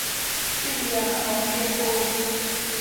สี่เหลี่ยมขนมเปียกปูน